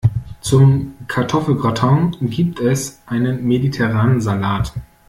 Zum Kartoffelgratin gibt es einen mediterranen Salat.